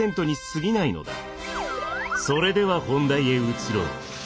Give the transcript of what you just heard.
それでは本題へ移ろう。